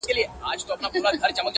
• مړاوي یې سترگي ـ